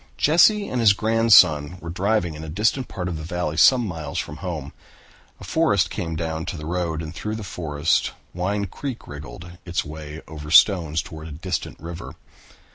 Jesse and his grandson were driving in a distant part of the valley some miles from home. A forest came down to the road and through the forest Wine Creek wriggled its way over stones toward a distant river.